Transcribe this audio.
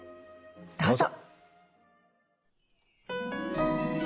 どうぞ。